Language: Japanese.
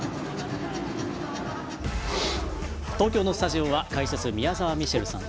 東京のスタジオは解説・宮澤ミシェルさん。